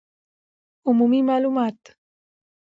عمومي معلومات